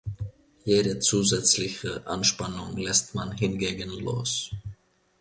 Jede zusätzliche Anspannung lässt man hingegen los.